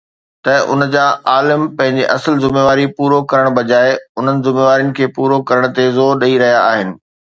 ته ان جا عالم پنهنجي اصل ذميواري پوري ڪرڻ بجاءِ انهن ذميوارين کي پورو ڪرڻ تي زور ڏئي رهيا آهن